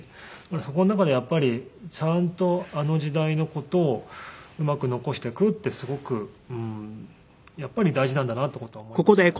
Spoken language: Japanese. そこの中でやっぱりちゃんとあの時代の事をうまく残していくってすごくやっぱり大事なんだなっていう事は思いましたね。